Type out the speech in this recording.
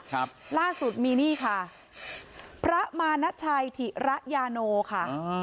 ครับล่าสุดมีนี่ค่ะพระมาณชัยถิระยาโนค่ะอ๋อ